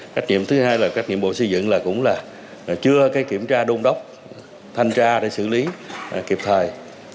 trách nhiệm thứ hai là các nhiệm vụ xây dựng là cũng là chưa kiểm tra đôn đốc thanh tra để xử lý kịp thời